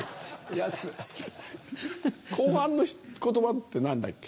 後半の言葉って何だっけ？